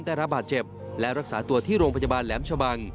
ได้รับบาดเจ็บและรักษาตัวที่โรงพยาบาลแหลมชะบัง